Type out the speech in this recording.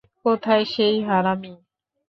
কোথায় সেই হারামি?